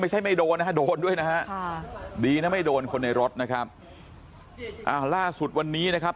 ไม่โดนนะฮะโดนด้วยนะฮะค่ะดีนะไม่โดนคนในรถนะครับอ่าล่าสุดวันนี้นะครับ